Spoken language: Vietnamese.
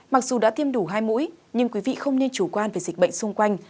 mặc dù đã tiêm đủ hai mũi nhưng quý vị không nên chủ quan về dịch bệnh xung quanh